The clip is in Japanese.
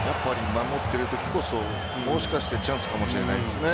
守ってるときこそもしかしたらチャンスかもしれないですね。